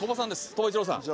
鳥羽一郎さん。